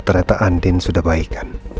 kereta andin sudah baik kan